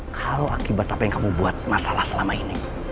kalau akibat apa yang kamu buat masalah selama ini